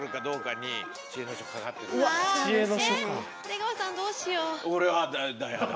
えっ出川さんどうしよう。